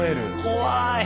怖い。